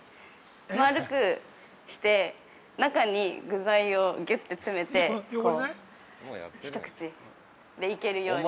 丸くして、中に具材をぎゅって詰めて一口でいけるように。